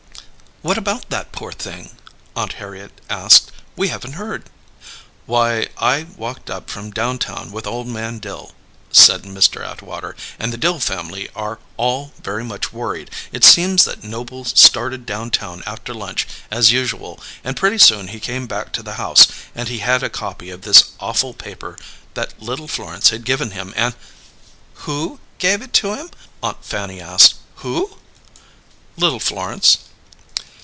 "What about that poor thing?" Aunt Harriet asked. "We haven't heard." "Why, I walked up from downtown with old man Dill," said Mr. Atwater, "and the Dill family are all very much worried. It seems that Noble started downtown after lunch, as usual, and pretty soon he came back to the house and he had a copy of this awful paper that little Florence had given him, and " "Who gave it to him?" Aunt Fanny asked. "Who?" "Little Florence."